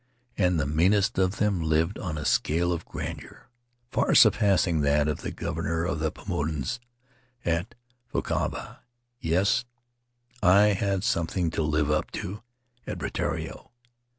And the meanest of them lived on a scale of grandeur far surpassing that of the governor of the Paumotus at Fakavava. Yes, I had something to live up to at Rutiaro.